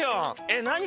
えっ何？